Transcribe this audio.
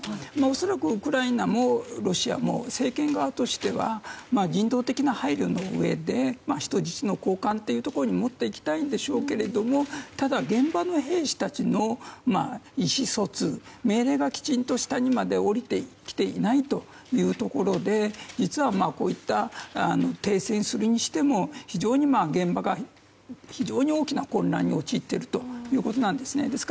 恐らく、ウクライナもロシアも政権側としては人道的な配慮のうえで人質の交換ということに持っていきたいんでしょうけどもただ現場の兵士たちの意思疎通、命令がきちんと下にまで下りてきていないというところで実は、こういった停戦するにしても非常に現場が大きな混乱に陥っているということなんです。